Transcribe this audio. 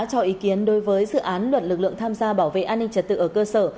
cho ý kiến đối với dự án luật lực lượng tham gia bảo vệ an ninh trật tự ở cơ sở